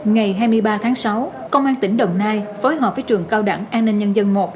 ngày hai mươi ba tháng sáu công an tỉnh đồng nai phối hợp với trường cao đẳng an ninh nhân dân một